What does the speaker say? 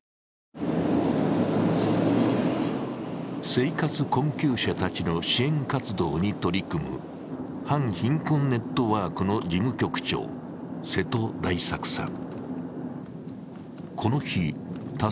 生活困窮者たちの支援活動に取り組む反貧困ネットワークの事務局長、瀬戸大作さん。